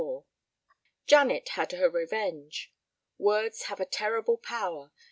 XXXIV Janet had her revenge. Words have a terrible power.